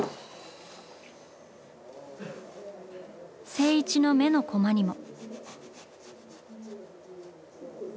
静一の目のコマにも。